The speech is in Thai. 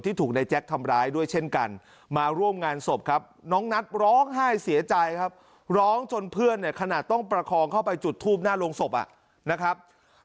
ที่ถูกในแจ๊คทำด้วยช่างกันมาร่วมงานศพครับ